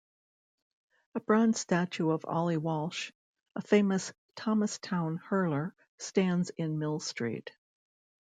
A bronze statue of Ollie Walsh, a famous Thomastown hurler, stands in Mill Street.